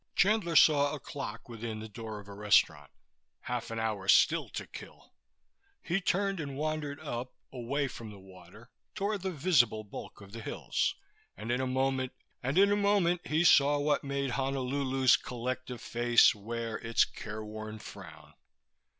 Chandler saw a clock within the door of a restaurant; half an hour still to kill. He turned and wandered up, away from the water, toward the visible bulk of the hills; and in a moment he saw what made Honolulu's collective face wear its careworn frown.